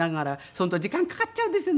相当時間かかっちゃうんですよ